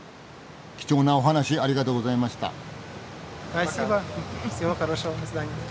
貴重なお話ありがとうございました。